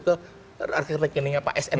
ke rekeningnya pak sn